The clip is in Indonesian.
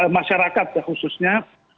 masyarakat ya khususnya